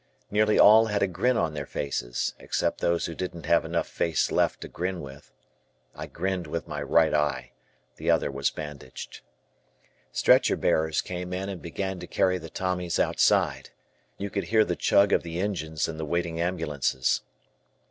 Nearly all had a grin on their faces, except those who didn't have enough face left to grin with. I grinned with my right eye, the other was band aged. Stretcher bearers came in and began to carry the Tommies outside. You could hear the chug of the engines in the waiting ambulances.